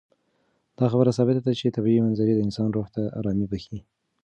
دا خبره ثابته ده چې طبیعي منظرې د انسان روح ته ارامي بښي.